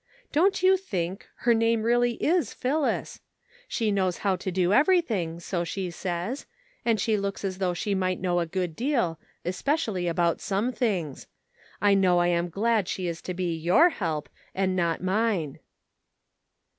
Don't you think, her name really is Phillis ! She knows how to do everything, so she says ; and she looks as though she might know a good deal, especially about some things. I know I am glad she is to be your help, and not mine."